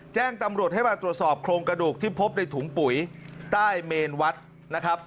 แจ้งตำรวจให้มาตรวจสอบโครงกระดูกที่พบในถุงปุ๋ยใต้เมนวัดนะครับ